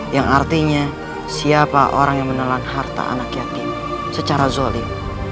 yang artinya siapa orang yang menelan harta anak yatim secara zolim